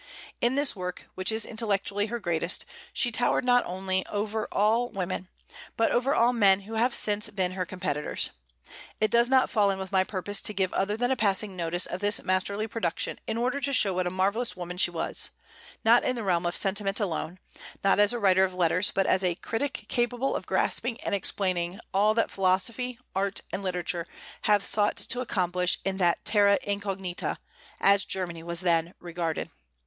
In this work, which is intellectually her greatest, she towered not only over all women, but over all men who have since been her competitors. It does not fall in with my purpose to give other than a passing notice of this masterly production in order to show what a marvellous woman she was, not in the realm of sentiment alone, not as a writer of letters, but as a critic capable of grasping and explaining all that philosophy, art, and literature have sought to accomplish in that terra incognita, as Germany was then regarded.